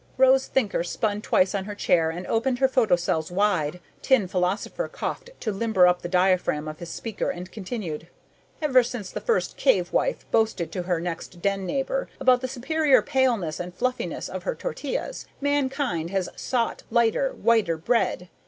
Rose Thinker spun twice on her chair and opened her photocells wide. Tin Philosopher coughed to limber up the diaphragm of his speaker and continued: "Ever since the first cave wife boasted to her next den neighbor about the superior paleness and fluffiness of her tortillas, mankind has sought lighter, whiter bread.